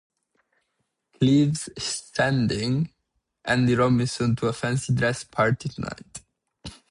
Clive's sending Andy Robinson to a fancy dress party tonight.